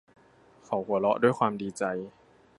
เขาหัวเราะด้วยความดีใจ